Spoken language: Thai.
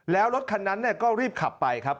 แล้วรถคันนั้นก็รีบขับไปครับ